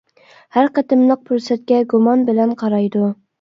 ھەر قېتىملىق پۇرسەتكە گۇمان بىلەن قارايدۇ.